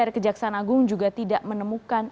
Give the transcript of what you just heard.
dari kejaksaan agung juga tidak menemukan